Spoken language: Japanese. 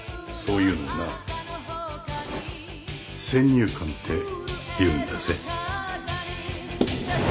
そういうのをな先入観っていうんだぜ。